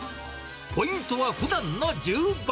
ポイントはふだんの１０倍。